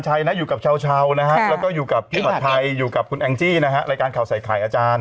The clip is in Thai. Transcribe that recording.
อยู่กับชาวนะฮะแล้วก็อยู่กับพี่ผัดไทยอยู่กับคุณแองจี้นะฮะรายการข่าวใส่ไข่อาจารย์